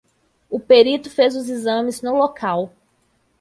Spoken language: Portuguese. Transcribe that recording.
O perito fez os exames no local.